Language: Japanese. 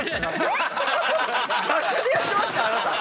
逆でやってましたあなた。